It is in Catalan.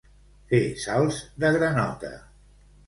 Fer salts de granota.